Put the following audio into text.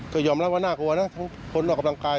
ก็ยอมรับว่าน่ากลัวนะทั้งคนออกกำลังกาย